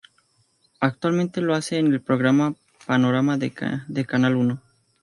Actualmente lo hace en el programa Panorama, de Canal Uno.